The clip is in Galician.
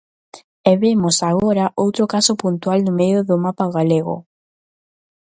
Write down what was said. E vemos agora outro caso puntual no medio do mapa galego.